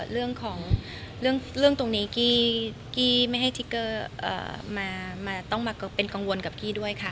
เรื่องของเรื่องตรงนี้กี้ไม่ให้ทิกเกอร์มาต้องมาเป็นกังวลกับกี้ด้วยค่ะ